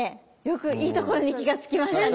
よくいいところに気がつきましたね。